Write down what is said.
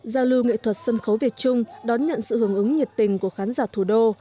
giao lưu nghệ thuật sân khấu việt trung đón nhận sự hưởng ứng nhiệt tình của khán giả thủ đô